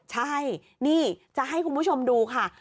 ใช่นี่จะให้คุณผู้ชมดูค่ะ